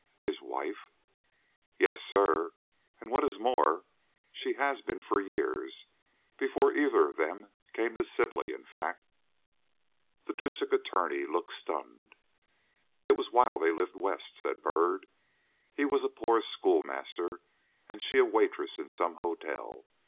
"His wife?" "Yes, sir; and, what is more, she has been so for years; before either of them came to Sibley, in fact." The District Attorney looked stunned. "It was while they lived West," said Byrd. "He was a poor school master, and she a waitress in some hotel.